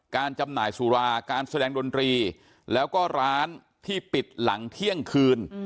จำหน่ายสุราการแสดงดนตรีแล้วก็ร้านที่ปิดหลังเที่ยงคืน